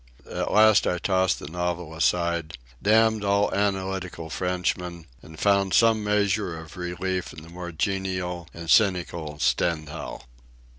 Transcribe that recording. At last I tossed the novel aside, damned all analytical Frenchmen, and found some measure of relief in the more genial and cynical Stendhal.